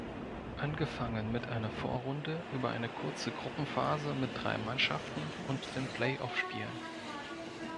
Angefangen mit einer Vorrunde, über eine kurze Gruppenphase mit drei Mannschaften und den Play-off-Spielen.